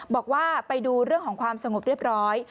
บอกว่าไปดูเรื่องของความสงบเรียบร้อย